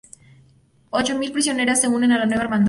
Ocho mil prisioneras se unen a la Nueva Hermandad.